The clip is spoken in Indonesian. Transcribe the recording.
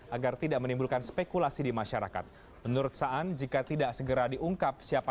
agar tidak menimbulkan penyelidikan